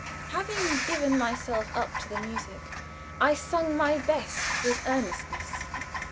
Having given myself up to the music, I sung my best with earnestness.